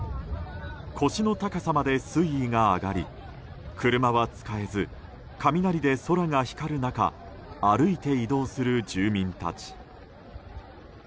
腰の高さまで水位が上がり車は使えず、雷で空が光る中歩いて移動する住民たち。